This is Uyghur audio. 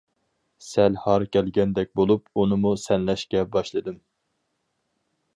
سەل ھار كەلگەندەك بولۇپ ئۇنىمۇ سەنلەشكە باشلىدىم.